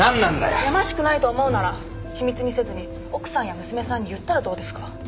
やましくないと思うなら秘密にせずに奥さんや娘さんに言ったらどうですか？